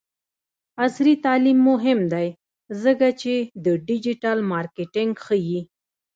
عصري تعلیم مهم دی ځکه چې د ډیجیټل مارکیټینګ ښيي.